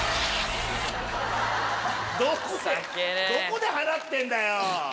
どこで放ってんだよ！